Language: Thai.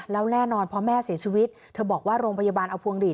แล้วแน่นอนพอแม่เสียชีวิตเธอบอกว่าโรงพยาบาลเอาพวงหลีด